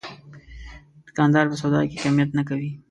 دوکاندار په سودا کې کمیت نه کوي.